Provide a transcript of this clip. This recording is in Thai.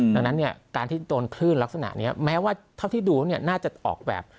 ดังนั้นเนี่ยการที่โดนคลื่นลักษณะนี้แม้ว่าเท่าที่ดูน่าจะออกแบบ